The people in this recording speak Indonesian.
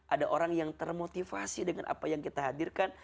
ada orang yang termotivasi dengan apa yang kita hadirkan